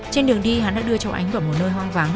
trên đường đi hắn đã đưa cháu ánh vào một nơi hoang vắng